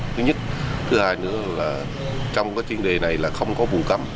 thứ nhất thứ hai nữa là trong cái chuyên đề này là không có vụ cầm